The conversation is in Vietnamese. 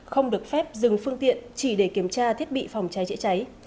không được phép dừng phương tiện chỉ để kiểm tra thiết bị phòng cháy chữa cháy